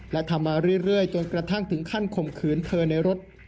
และทำมาเรื่อยจนกระทั่งถึงขั้นข่มขืนเธอในรถ